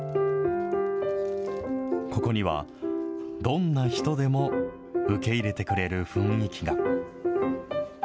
ここにはどんな人でも受け入れてくれる雰囲気が。